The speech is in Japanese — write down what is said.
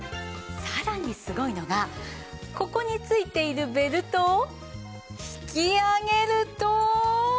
さらにすごいのがここについているベルトを引き上げると。